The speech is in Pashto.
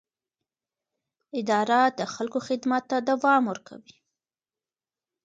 اداره د خلکو خدمت ته دوام ورکوي.